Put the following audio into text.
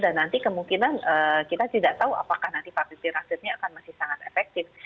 dan nanti kemungkinan kita tidak tahu apakah nanti vaviviravirnya akan masih sangat efektif